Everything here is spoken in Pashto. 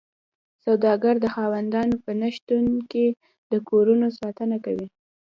سوداګر د خاوندانو په نشتون کې د کورونو ساتنه کوي